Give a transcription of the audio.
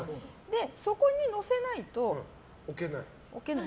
そこに載せないと置けない。